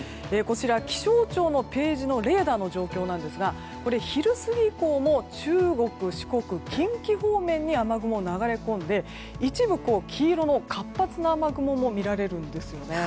気象庁のページのレーダーの状況ですが昼過ぎ以降も中国、四国、近畿方面に雨雲が流れ込んで一部、黄色の活発な雨雲も見られるんですよね。